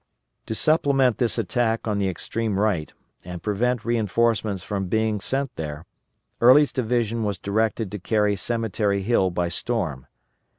To supplement this attack on the extreme right, and prevent reinforcements from being sent there, Early's division was directed to carry Cemetery Hill by storm.